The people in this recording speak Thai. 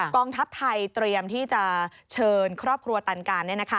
กองทัพไทยเตรียมที่จะเชิญครอบครัวตันการ